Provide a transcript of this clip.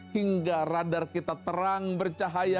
hingga radar kita terang bercahaya